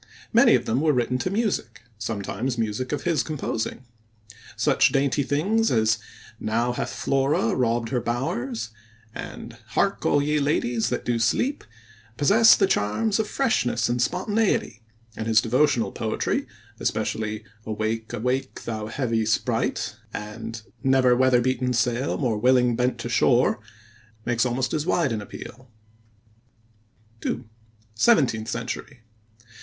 Many of them were written to music, sometimes music of his composing. Such dainty things as "Now hath Flora robb'd her bowers" and "Harke, all you ladies that do sleep" possess the charms of freshness and spontaneity, and his devotional poetry, especially "Awake, awake, thou heavy Spright" and "Never weather beaten Saile more willing bent to shore", makes almost as wide an appeal. II. SEVENTEENTH CENTURY.